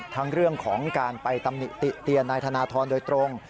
ทั้งเรื่องของการไปตำหนิติเตียนนายธนทรโดยตรง